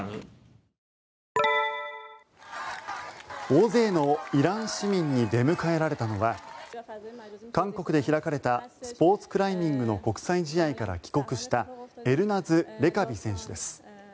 大勢のイラン市民に出迎えられたのは韓国で開かれたスポーツクライミングの国際試合から帰国したエルナズ・レカビ選手です。